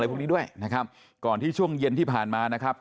พวกนี้ด้วยนะครับก่อนที่ช่วงเย็นที่ผ่านมานะครับ